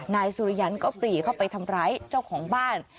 นายสุริยันก็ปรีเข้าไปทำร้ายเจ้าของบ้าน